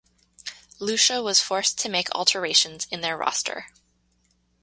Lucia was forced to make alterations in their roster.